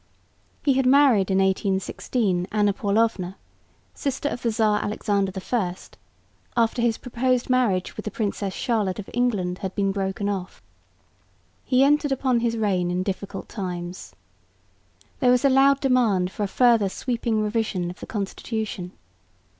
He had married in 1816 Anna Paulovna, sister of the Tsar Alexander I, after his proposed marriage with the Princess Charlotte of England had been broken off. He entered upon his reign in difficult times. There was a loud demand for a further sweeping revision of the constitution.